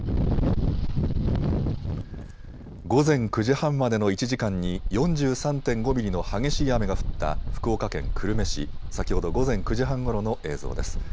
午前９時半までの１時間に４３．５ミリの激しい雨が降った福岡県久留米市、先ほど午前９時半ごろの映像です。